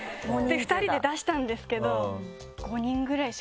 ２人で出したんですけど。